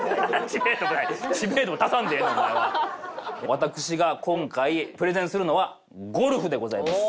私が今回プレゼンするのはゴルフでございます。